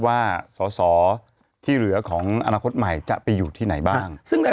ว่าสอสอที่เหลือของอนาคตใหม่จะไปอยู่ที่ไหนบ้าง